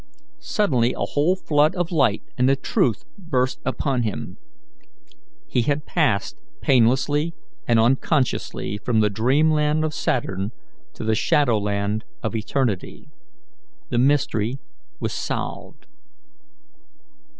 Suddenly a whole flood of light and the truth burst upon him. He had passed painlessly and unconsciously from the dreamland of Saturn to the shadowland of eternity. The mystery was solved.